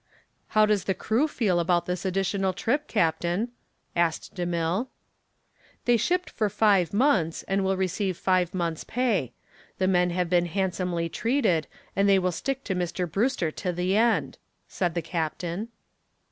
"How does the crew feel about this additional trip, captain?" asked DeMille. "They shipped for five months and will receive five months' pay. The men have been handsomely treated and they will stick to Mr. Brewster to the end," said the captain.